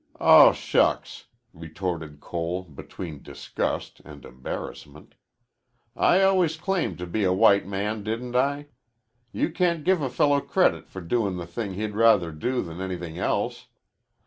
"Oh, shucks!" retorted Cole, between disgust and embarrassment. "I always claimed to be a white man, didn't I? You can't give a fellow credit for doin' the thing he'd rather do than anything else.